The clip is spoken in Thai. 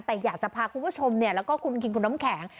แต่อยากจะพาคุณผู้ชมแล้วก็คุณคิงคุณน้ำแข็ง